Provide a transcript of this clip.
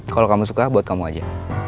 kalau kamu suka buat kamu aja